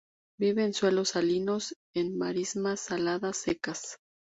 Vive en suelos salinos, en marismas saladas secas.